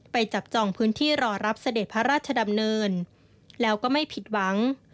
จับจองพื้นที่รอรับเสด็จพระราชดำเนินแล้วก็ไม่ผิดหวัง